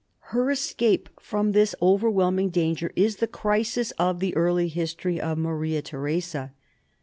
Her escape from this overwhelming danger is the crisis of the early history of Maria Theresa.